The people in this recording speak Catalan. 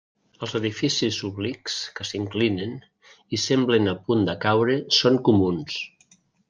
Els edificis oblics que s'inclinen, i semblen a punt de caure són comuns.